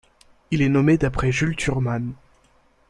Il est nommé d'après Jules Thurmann.